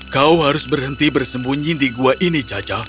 kau harus berhenti bersembunyi di gua ini caca